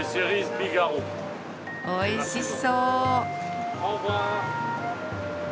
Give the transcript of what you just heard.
おいしそう！